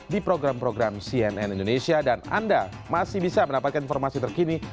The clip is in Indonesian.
di program program cnn indonesia dan anda masih bisa mendapatkan informasi terkini